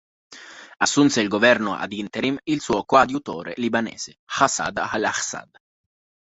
Assunse il governo ad interim il suo coadiutore libanese Assad al-Assad.